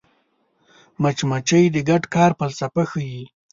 مچمچۍ د ګډ کار فلسفه ښيي